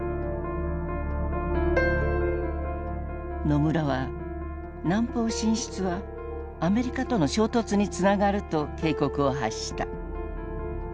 野村は南方進出はアメリカとの衝突につながると警告を発した。